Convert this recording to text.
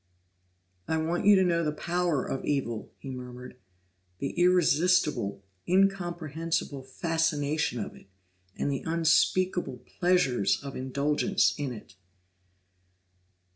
"I want you to know the power of evil," he murmured. "The irresistible, incomprehensible fascination of it, and the unspeakable pleasures of indulgence in it."